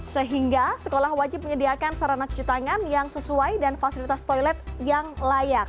sehingga sekolah wajib menyediakan sarana cuci tangan yang sesuai dan fasilitas toilet yang layak